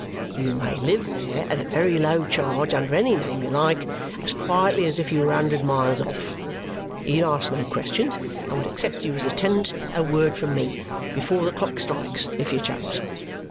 You may live there at a very low charge under any name you like, as quietly as if you were a hundred miles off. He'll ask no questions and would accept you as a tenant at a word from me before the clock strikes, if you chose.